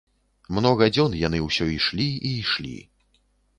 Многа дзён яны ўсё ішлі і ішлі.